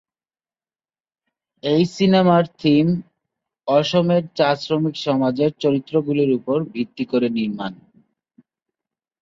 এই সিনেমার থিম অসমের চা শ্রমিক সমাজের চরিত্রগুলির উপর ভিত্তি করে নির্মাণ।